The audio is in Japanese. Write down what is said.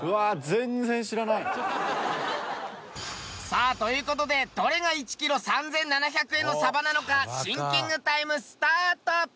さあという事でどれが１キロ３７００円のサバなのかシンキングタイムスタート！